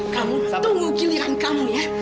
kamu tunggu pilihan kamu ya